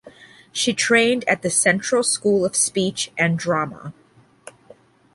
She trained at the Central School of Speech and Drama.